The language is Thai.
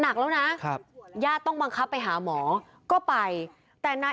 หนักแล้วนะครับญาติต้องบังคับไปหาหมอก็ไปแต่นาย